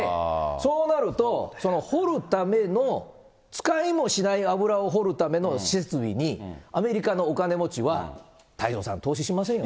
そうなると、掘るための使いもしない油を掘るための設備に、アメリカのお金持ちは、太蔵さん、投資しませんよね。